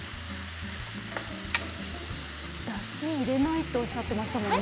だしを入れないとおっしゃってましたもんね。